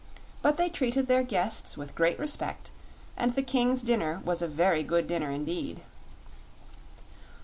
But they treated their guests with great respect and the King's dinner was a very good dinner indeed.